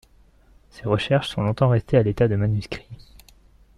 Ces recherches sont longtemps restées à l'état de manuscrit.